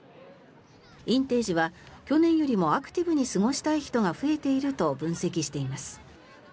インテージは去年よりもアクティブに過ごしたい人が増えていると分析しています。